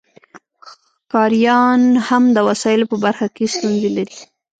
ښکاریان هم د وسایلو په برخه کې ستونزې لري